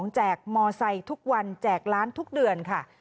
แจกมอไซค์ทุกวันแจกล้านทุกเดือนค่ะ